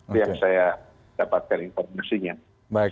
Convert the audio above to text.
itu yang saya dapatkan informasinya